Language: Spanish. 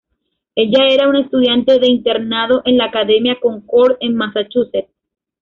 Ella era una estudiante de internado en la Academia Concord en Massachusetts.